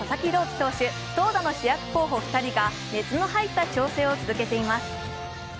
投打の２人が熱の入った調整を続けています。